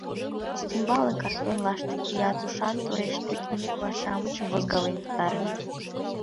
Ӱстембалне картон лаштык кия, тушан тореш-кутынь буква-шамычым возгален пытарыме.